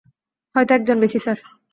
হয়তো একজন বেশি, স্যার।